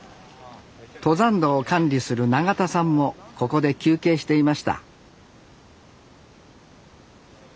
登山道を管理する永田さんもここで休憩していました